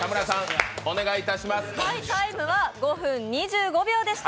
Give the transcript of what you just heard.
タイムは５分２５秒でした。